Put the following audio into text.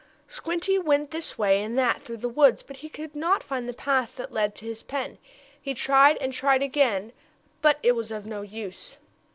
Squinty went this way and that through the woods, but he could not find the path that led to his pen. He tried and tried again, but it was of no use.